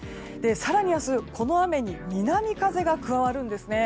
更に、明日この雨に南風が加わるんですね。